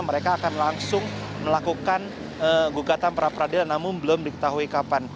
mereka akan langsung melakukan gugatan pra peradilan namun belum diketahui kapan